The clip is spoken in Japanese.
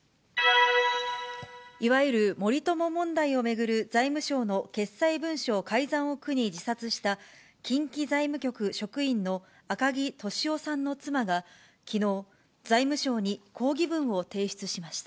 いわゆる森友問題を巡る財務省の決裁文書改ざんを苦に自殺した近畿財務局職員の赤木俊夫さんの妻が、きのう、財務省に抗議文を提出しました。